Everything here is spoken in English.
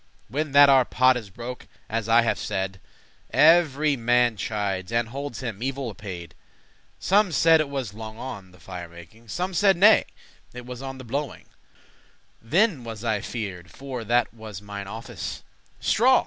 When that our pot is broke, as I have said, Every man chides, and holds him *evil apaid.* *dissatisfied* Some said it was *long on* the fire making; *because of <11>* Some saide nay, it was on the blowing (Then was I fear'd, for that was mine office); "Straw!"